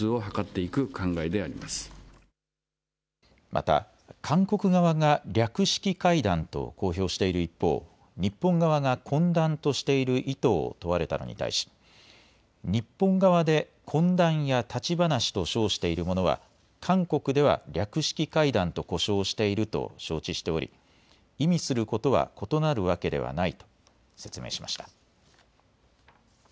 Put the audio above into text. また韓国側が略式会談と公表している一方、日本側が懇談としている意図を問われたのに対し日本側で懇談や立ち話と称しているものは韓国では略式会談と呼称していると承知しており意味することは異なるわけではないと説明しました。